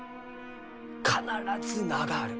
必ず名がある！